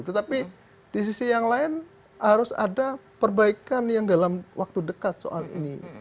tetapi di sisi yang lain harus ada perbaikan yang dalam waktu dekat soal ini